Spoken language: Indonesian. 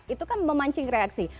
itu kan memancing reaksi